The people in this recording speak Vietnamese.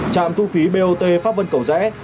trạm thu phí bot pháp vân cầu rẽ